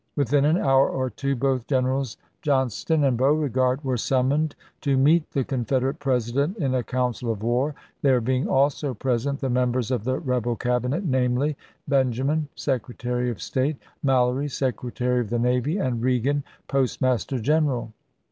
Within an hour or two both Generals Johnston and Beauregard were summoned to meet the Con federate President in a council of war, there being also present the members of the rebel Cabinet, namely: Benjamin, Secretary of State; Mallory, Secretary of the Navy, and Reagan, Postmaster General.